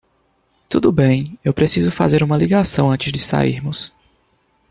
Tudo bem, eu preciso fazer uma ligação antes de sairmos.